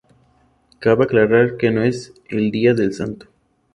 Cabe aclarar que no es el día del santo.